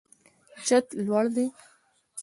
چت لوړ دی.